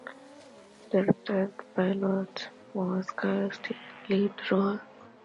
Michael Mann directed the pilot and Dustin Hoffman was cast in the lead role.